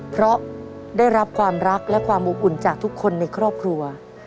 เพราะได้รับความรักและความอบอุ่นจากทุกคนในครอบครัว